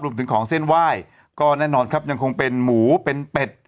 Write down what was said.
ของเส้นไหว้ก็แน่นอนครับยังคงเป็นหมูเป็นเป็ด